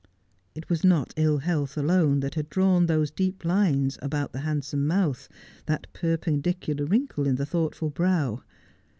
It was not ill health alone that had drawn those deep lines about the hand some mouth, that perpendicular wrinkle in the thoughtful brow.